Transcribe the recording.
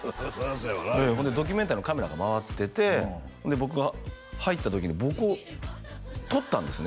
そうやわなほんでドキュメンタリーのカメラが回ってて僕が入った時に僕を撮ったんですね